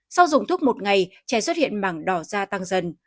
sau dùng thuốc một ngày trẻ xuất hiện mảng đỏ da tăng dần